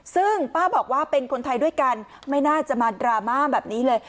ซึ่งป้าบอกว่าเป็นคนไทยด้วยกันไม่น่าจะมาดราม่าแบบนี้เลย